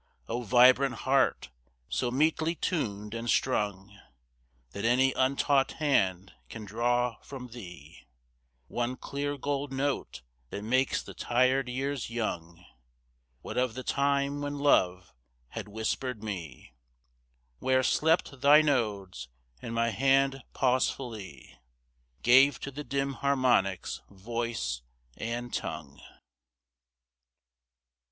O vibrant heart! so metely tuned and strung That any untaught hand can draw from thee One clear gold note that makes the tired years young What of the time when Love had whispered me Where slept thy nodes, and my hand pausefully Gave to the dim harmonics voice and tongue?